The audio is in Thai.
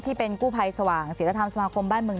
ที่เป็นกู้ภัยสว่างศิลธรรมสมาคมบ้านเมือง